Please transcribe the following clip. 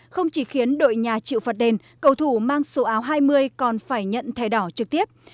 không chỉ khiến đội nhà chịu phạt đền cầu thủ mang số áo hai mươi còn phải nhận thẻ đỏ trực tiếp